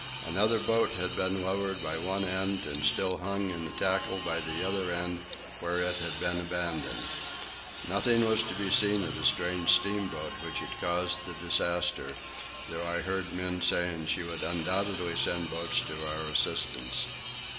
Another boat had been lowered by one end, and still hung in the tackle by the other end, where it had been abandoned. Nothing was to be seen of the strange steamboat which had caused the disaster, though I heard men saying that she would undoubtedly send boats to our assistance.